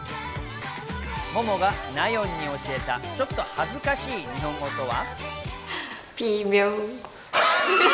モモがナヨンに教えた、ちょっと恥ずかしい日本語とは？